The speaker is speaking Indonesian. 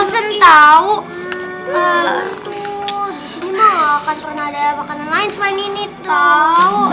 tuh disini mah gak akan pernah ada makanan lain selain ini tuh